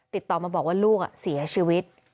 ติดต่อมาบอกว่าลูกเสียชีวิต